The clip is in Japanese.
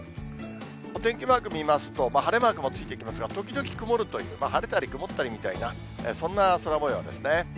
お天気マーク見ますと、晴れマークもついてきますが、時々曇るという、晴れたり曇ったりみたいな、そんな空もようですね。